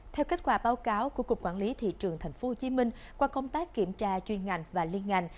theo kết quả báo cáo của cục quản lý thị trường tp hcm qua công tác kiểm tra chuyên ngành và liên ngành